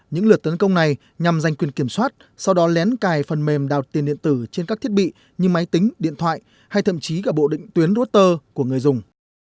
những lượt tấn công này nhằm giành quyền kiểm soát sau đó lén cài phần mềm đào tiền điện tử trên các thiết bị như máy tính điện thoại hay thậm chí cả bộ định tuyến router của người dùng